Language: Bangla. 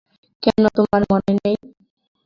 কেন তোমার মনে নেই?